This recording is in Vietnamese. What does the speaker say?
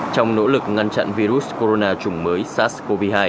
trong nỗ lực ngăn chặn virus corona chủng mới sars cov hai